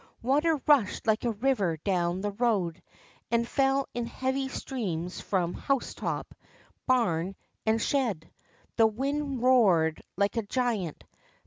Water rushed like a river down the road, and fell in heavy streams from housetop, barn, and shed. The wind roared like a giant.